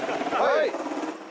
はい。